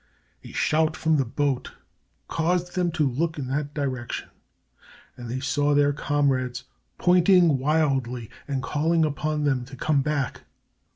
A shout from the boat caused them to look in that direction, and they saw their comrades pointing wildly and calling upon them to come back.